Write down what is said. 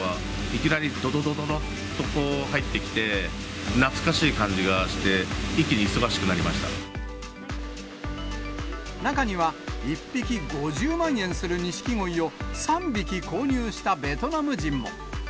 いきなりどどどどどどどどどどと入ってきて、懐かしい感じがして、中には、１匹５０万円するニシキゴイを、３匹購入したベトナム人も。